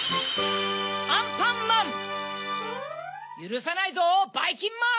アンパンマン‼ゆるさないぞばいきんまん！